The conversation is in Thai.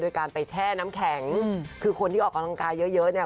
โดยการไปแช่น้ำแข็งคือคนที่ออกกำลังกายเยอะเยอะเนี่ย